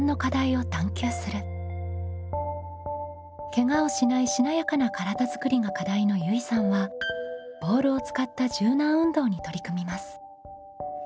「ケガをしないしなやかな体づくり」が課題のゆいさんはボールを使った柔軟運動に取り組みます。